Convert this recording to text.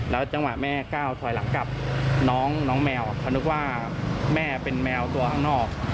จังหวะแม่ก้าวถอยหลังกับน้องแมวเขานึกว่าแม่เป็นแมวตัวข้างนอก